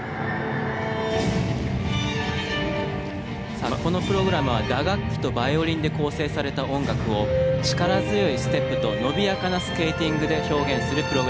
さあこのプログラムは打楽器とバイオリンで構成された音楽を力強いステップと伸びやかなスケーティングで表現するプログラムです。